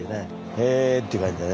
「へえ」っていう感じだね。